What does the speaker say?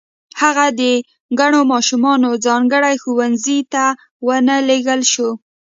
هغه د کڼو ماشومانو ځانګړي ښوونځي ته و نه لېږل شو